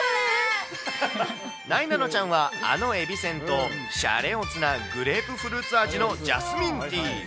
なえなのちゃんは、あのえびせんとシャレオツなグレープフルーツ味のジャスミンティー。